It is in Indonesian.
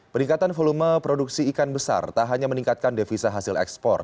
peningkatan volume produksi ikan besar tak hanya meningkatkan devisa hasil ekspor